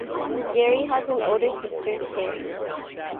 Garry has an older sister, Kerry.